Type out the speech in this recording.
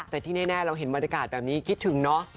แต่ที่แน่เราเห็นบรรยากาศแบบนี้คิดถึงเนอะ